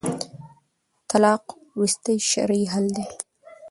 طلاق وروستی شرعي حل دی